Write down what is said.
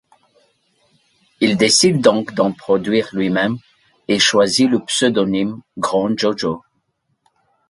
Il décide donc d'en produire lui-même et choisi le pseudonyme Grand Jojo.